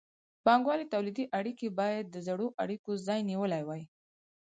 بانګوالي تولیدي اړیکې باید د زړو اړیکو ځای نیولی وای.